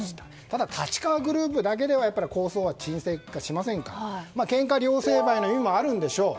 ただ、立川グループだけでは抗争は鎮静化しませんからけんか両成敗の意味もあるんでしょう